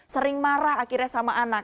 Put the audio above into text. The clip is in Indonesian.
sering marah akhirnya sama anak